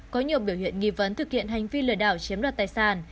có nhiều biểu hiện nghi vấn thực hiện hành vi lừa đảo chiếm đoạt tài sản